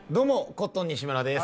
コットン西村です